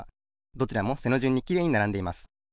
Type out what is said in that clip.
どちらも背のじゅんにきれいにならんでいます。